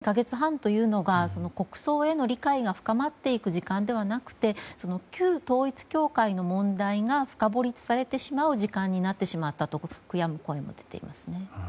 自民党の中からは２か月半というのが国葬への理解が深まっていく時間ではなくて旧統一教会の問題が深掘りされてしまう時間になってしまったと悔やむ声も聞きますね。